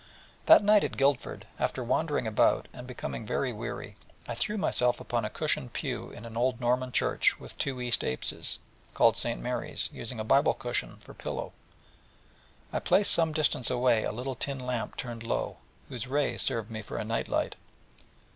That night at Guildford, after wandering about, and becoming very weary, I threw myself upon a cushioned pew in an old Norman church with two east apses, called St. Mary's, using a Bible cushion for pillow, and placing some distance away a little tin lamp turned low, whose ray served me for veilleuse through the night.